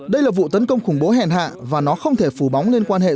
đây là vụ tấn công khủng bố hèn hạ và nó không thể phủ bóng